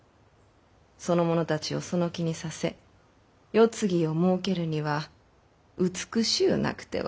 その者たちをその気にさせ世継ぎをもうけるには美しゅうなくては。